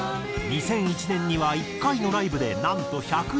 ２００１年には１回のライブでなんと１０１曲を演奏。